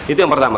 itu yang pertama